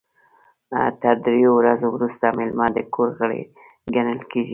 تر دریو ورځو وروسته میلمه د کور غړی ګڼل کیږي.